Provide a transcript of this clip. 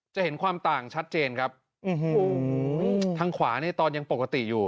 เห็นความต่างชัดเจนครับทางขวาเนี่ยตอนยังปกติอยู่